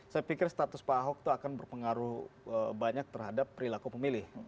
saya pikir status pak ahok itu akan berpengaruh banyak terhadap perilaku pemilih